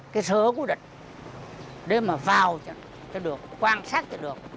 cái sở của địch để mà vào cho được quan sát cho được